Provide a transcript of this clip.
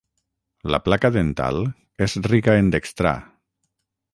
La placa dental és rica en dextrà.